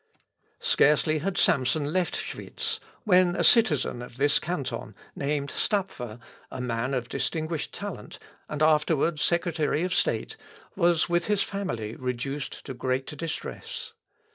Scarcely had Samson left Schwitz when a citizen of this canton, named Stapfer, a man of distinguished talent, and afterward secretary of state, was with his family reduced to great distress.